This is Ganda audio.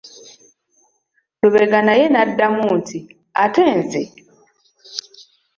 Lubega naye n'addamu nti:"ate nze"